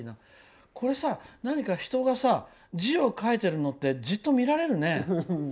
人が字を書いてるのってずっと見られるね。